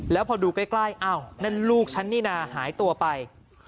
แล้วพอดูใกล้อ้าวนั่นลูกฉันนี่นะหายตัวไป